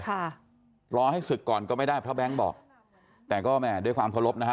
ค่ะรอให้ศึกก่อนก็ไม่ได้เพราะแบงค์บอกแต่ก็แม่ด้วยความเคารพนะฮะ